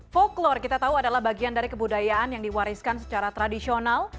foklore kita tahu adalah bagian dari kebudayaan yang diwariskan secara tradisional